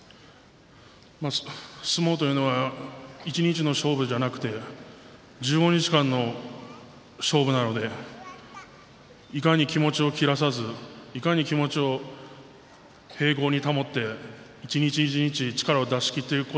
相撲というのは一日の勝負じゃなくて１５日間の勝負なのでいかに気持ちを切らさずいかに気持ちを平衡に保って一日一日、力を出し切っていく。